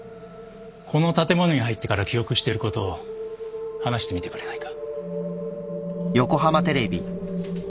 この建物に入ってから記憶してることを話してみてくれないか。